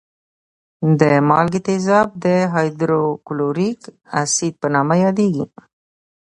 د مالګي تیزاب د هایدروکلوریک اسید په نامه یادېږي.